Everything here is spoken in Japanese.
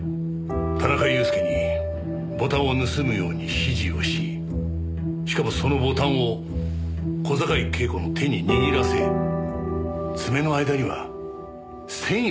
田中裕介にボタンを盗むように指示をししかもそのボタンを小坂井恵子の手に握らせ爪の間には繊維まで残してる。